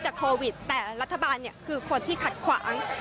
จากโควิด๑๙แต่รัฐบาลคือคนที่ขัดขวาง